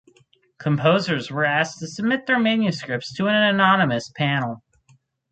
Composers were asked to submit their manuscripts to an anonymous panel.